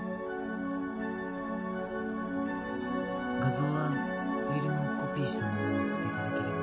画像はフィルムをコピーしたものを送っていただければ。